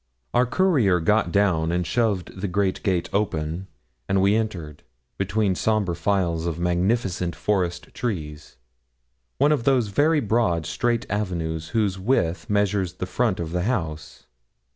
Our courier got down and shoved the great gate open, and we entered, between sombre files of magnificent forest trees, one of those very broad straight avenues whose width measures the front of the house.